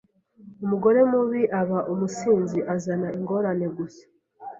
Umugore mubi aba umusinzi azana ingorane gusa